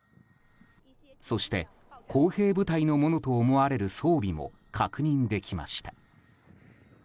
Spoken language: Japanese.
そして工兵部隊のものと思われる装備も確認できました。